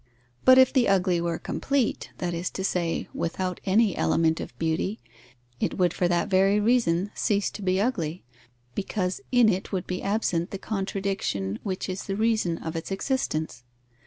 But if the ugly were complete, that is to say, without any element of beauty, it would for that very reason cease to be ugly, because in it would be absent the contradiction which is the reason of its existence.